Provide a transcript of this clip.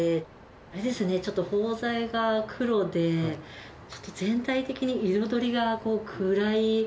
あれですね、ちょっと包材が黒で、ちょっと全体的に彩りが暗い。